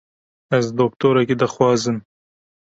Ez doktorekî dixwazim.